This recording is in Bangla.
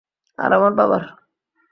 আর আমার বাবার।